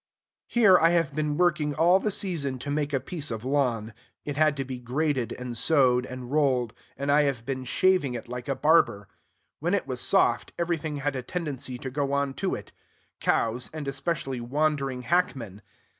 Here I have been working all the season to make a piece of lawn. It had to be graded and sowed and rolled; and I have been shaving it like a barber. When it was soft, everything had a tendency to go on to it, cows, and especially wandering hackmen.